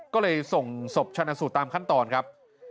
ก็เลยส่งศพชนะสูตรตามขั้นตอนครับ